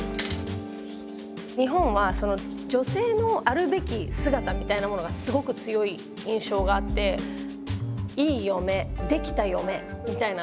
日本は「女性のあるべき姿」みたいなものがすごく強い印象があっていい嫁できた嫁みたいな。